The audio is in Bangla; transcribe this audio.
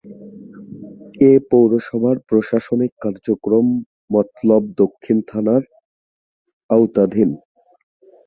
এ পৌরসভার প্রশাসনিক কার্যক্রম মতলব দক্ষিণ থানার আওতাধীন।